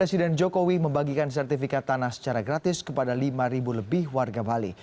presiden jokowi membagikan sertifikat tanah secara gratis kepada lima lebih warga bali